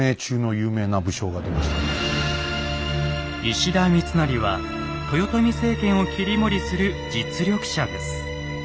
石田三成は豊臣政権を切り盛りする実力者です。